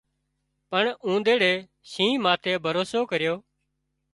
پڻ اونۮيڙي شينهن ماٿي ڀروسو ڪريو